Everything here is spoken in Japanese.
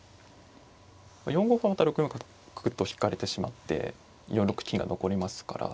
まあ４五歩はまた６四角と引かれてしまって４六金が残りますから。